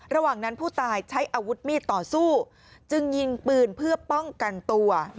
ระหว่างนั้นผู้ตายใช้อาวุธมีดต่อสู้จึงยิงปืนเพื่อป้องกันตัว